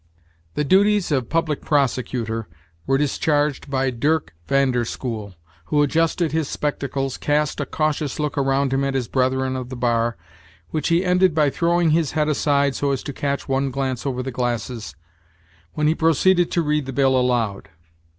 The duties of public prosecutor were discharged by Dirck Van der School, who adjusted his spectacles, cast a cautious look around him at his brethren of the bar, which he ended by throwing his head aside so as to catch one glance over the glasses, when he proceeded to read the bill aloud.